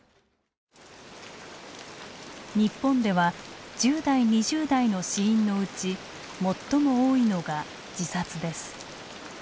日本では１０代２０代の死因のうち最も多いのが自殺です。